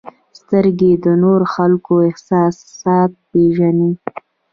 • سترګې د نورو خلکو احساسات پېژني.